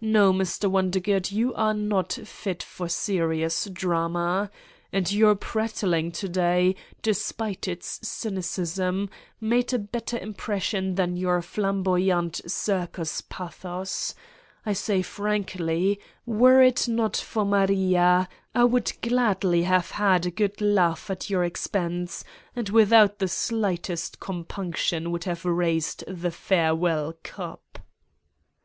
No, Mr. Won dergood, you are not fit for serious drama ! And your prattling to day, despite its cynicism, made a better impression than your flamboyant circus pathos. I say frankly: were it not for Maria I would gladly have had a good laugh at your ex pense, and, without the slightest compunction would have raised the farewell cup